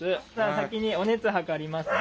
先にお熱測りますね。